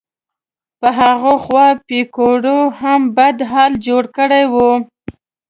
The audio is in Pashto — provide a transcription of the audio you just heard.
په هغې خوا پیکوړو هم بد حال جوړ کړی و.